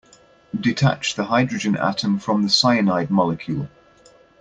Detach the hydrogen atom from the cyanide molecule.